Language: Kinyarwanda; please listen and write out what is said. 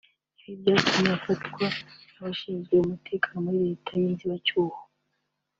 ibi byatumye afatwa n’abashinzwe umutekano muri Leta y’inzibacyuho